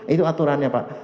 itu aturannya pak